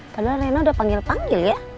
padahal rena udah panggil panggil ya